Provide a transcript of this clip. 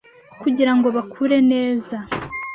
kugira ngo bakure neza